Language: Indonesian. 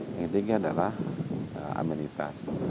yang pentingnya adalah amenitas